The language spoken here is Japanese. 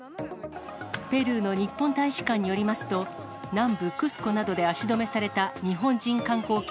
ペルーの日本大使館によりますと、南部クスコなどで足止めされた日本人観光客